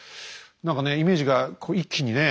何かねイメージがこう一気にね